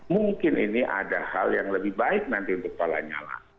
mungkin ini ada hal yang lebih baik nanti untuk pak lanyala